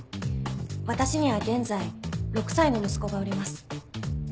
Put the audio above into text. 私には現在６歳の息子がおります。